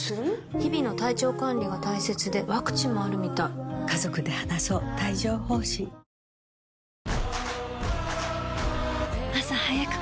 日々の体調管理が大切でワクチンもあるみたい颯という名の爽快緑茶！